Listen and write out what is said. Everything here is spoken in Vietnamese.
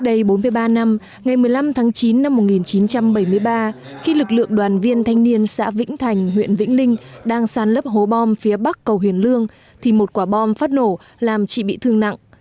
trong tháng chín năm một nghìn chín trăm bảy mươi ba khi lực lượng đoàn viên thanh niên xã vĩnh thành huyện vĩnh linh đang sàn lấp hố bom phía bắc cầu huyền lương thì một quả bom phát nổ làm chị bị thương nặng